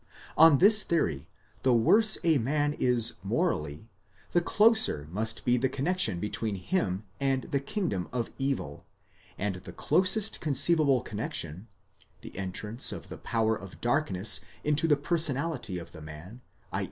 On this theory, the worse a man is morally, the closer must be the connexion between him and the kingdom of evil, and the closest conceivable connexion—the entrance of the power of darkness into the personality of the man, z.